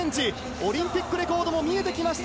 オリンピックレコードも見えてきました